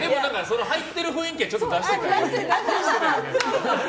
入ってる雰囲気はちょっと出してたよね。